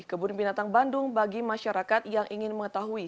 kebun binatang bandung bagi masyarakat yang ingin mengetahui